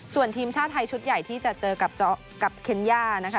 ส่วนทีมชาติไทยชุดใหญ่ที่จะเจอกับเคนย่านะคะ